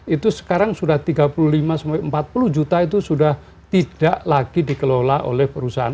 itu sekarang sudah tiga puluh lima sampai empat puluh juta itu sudah tidak lagi dikelola oleh perusahaan